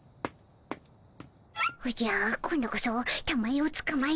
おじゃ今度こそたまえをつかまえるでおじゃる。